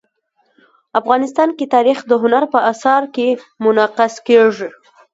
افغانستان کې تاریخ د هنر په اثار کې منعکس کېږي.